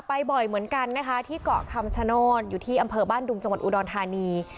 บ่อยเหมือนกันนะคะที่เกาะคำชโนธอยู่ที่อำเภอบ้านดุงจังหวัดอุดรธานี